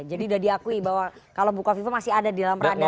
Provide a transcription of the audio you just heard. jadi udah diakui bahwa kalau bukoviva masih ada di dalam radarnya